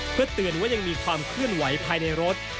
เพื่อเตือนว่ายังมีความเคลื่อนไหวภายในรถ